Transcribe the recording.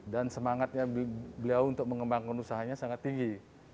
dan semangatnya beliau untuk mengembangkan usahanya sangat tinggi